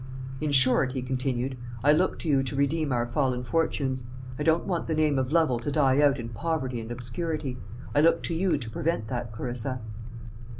"In short," he continued, "I look to you to redeem our fallen fortunes. I don't want the name of Lovel to die out in poverty and obscurity. I look to you to prevent that, Clarissa."